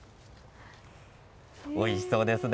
おいしそうですね。